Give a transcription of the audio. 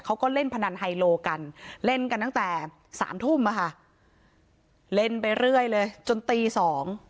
เขาก็เล่นพนันไฮโลกันเล่นกันตั้งแต่สามทุ่มอ่ะค่ะเล่นไปเรื่อยเลยจนตีสอง